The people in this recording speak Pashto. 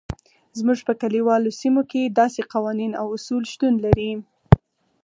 زموږ په کلیوالو سیمو کې داسې قوانین او اصول شتون لري.